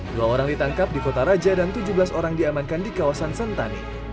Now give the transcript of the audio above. dua orang ditangkap di kota raja dan tujuh belas orang diamankan di kawasan sentani